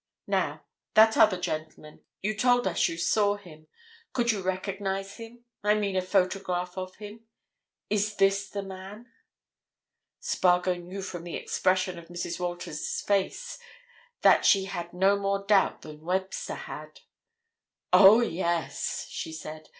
Now, that other gentleman! You told us you saw him. Could you recognize him—I mean, a photograph of him? Is this the man?" Spargo knew from the expression of Mrs. Walters' face that she had no more doubt than Webster had. "Oh, yes!" she said.